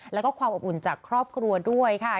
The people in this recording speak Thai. แล้วก็ความอบอุ่นจากครอบครัวด้วยค่ะ